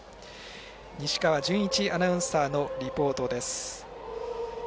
西川順一アナウンサーのリポートです。